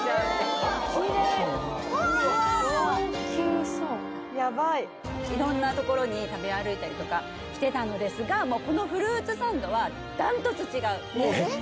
高級そうヤバいいろんな所に食べ歩いたりとかしてたのですがもうこのフルーツサンドはダントツ違うえっ⁉